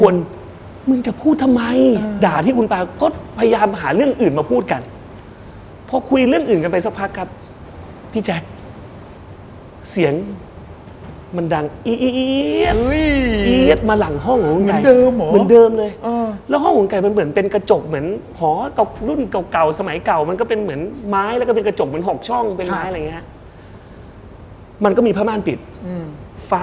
ในโครงการทรัพยากาศเหมือนคืนนั้นระวะ